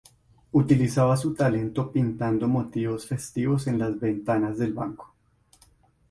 Utilizaba su talento pintando motivos festivos en las ventanas del banco.